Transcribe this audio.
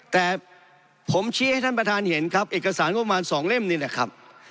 แต่ผมชี้ให้ท่านประธานเห็นครับเอกสารงบประมาณ๒เล่มนี่แหละครับ